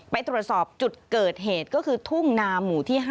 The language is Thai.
ไปตรวจสอบจุดเกิดเหตุก็คือทุ่งนาหมู่ที่๕